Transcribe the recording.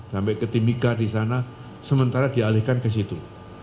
sampai ke timika di sana sementara dialihkan ke situ